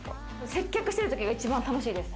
接客してる時が一番楽しいです。